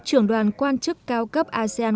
trường đoàn quan chức cao cấp asean